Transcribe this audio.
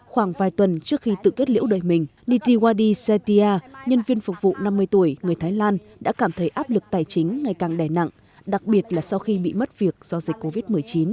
khoảng vài tuần trước khi tự kết liễu đời mình nithiwadi setia nhân viên phục vụ năm mươi tuổi người thái lan đã cảm thấy áp lực tài chính ngày càng đè nặng đặc biệt là sau khi bị mất việc do dịch covid một mươi chín